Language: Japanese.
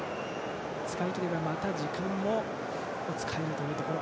使い切ればまた時間も使えるところ。